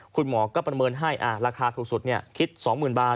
คุณหมอก็ประเมินให้ราคาถูกสุดคิด๒๐๐๐บาท